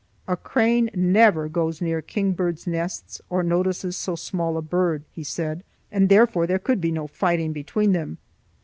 "A crane never goes near kingbirds' nests or notices so small a bird," he said, "and therefore there could be no fighting between them."